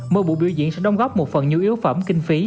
mỗi bộ biểu diễn sẽ đồng góp một phần nhu yếu phẩm kinh phí